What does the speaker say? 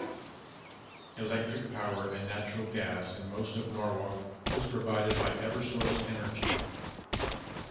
Electric power and natural gas in most of Norwalk is provided by Eversource Energy.